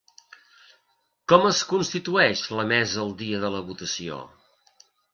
Com es constitueix la mesa el dia de la votació?